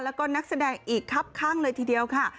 แล้วก็นักแสดงอีกครับข้างเลยทีเดียวค่ะ